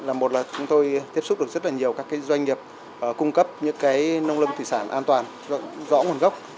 là một là chúng tôi tiếp xúc được rất là nhiều các doanh nghiệp cung cấp những cái nông lâm thủy sản an toàn rõ nguồn gốc